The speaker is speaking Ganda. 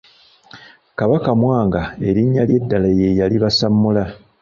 Kabaka Mwanga erinnya lye eddala ye yali Basammula.